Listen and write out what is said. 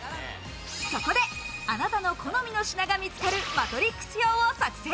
そこであなたの好みの品が見つかるマトリックス表を作成。